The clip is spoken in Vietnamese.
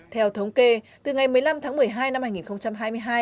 theo thống kê từ ngày một mươi năm tháng một mươi hai năm hai nghìn hai mươi hai